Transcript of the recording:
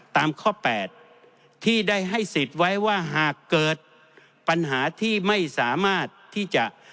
ตามข้อ๘ที่ได้ให้สิทธิ์ไว้ว่าหากเกิดปัญหาที่ไม่สามารถที่จะ